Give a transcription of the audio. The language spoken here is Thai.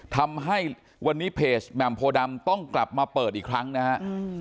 ทำให้วันนี้เพจแหม่มโพดำต้องกลับมาเปิดอีกครั้งนะฮะ